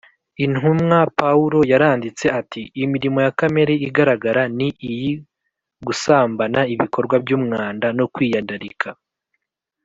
Intumwa Pawulo yaranditse ati imirimo ya kamere iragaragara ni iyi gusambana ibikorwa by umwanda no kwiyandarika